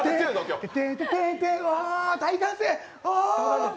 大歓声。